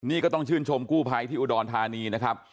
นี่ก็ต้องชื่นชมกู้ภัยที่อุดรธานีนะครับ